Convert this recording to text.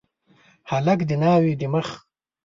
هلک د ناوي د مخ